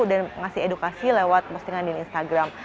dan ngasih edukasi lewat postingan di instagram